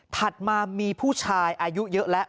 มามีผู้ชายอายุเยอะแล้ว